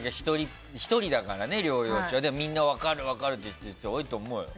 １人だからね療養中はみんな分かるって人多いと思うよ。